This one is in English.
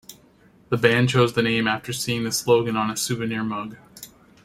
The band chose the name after seeing the slogan on a souvenir mug.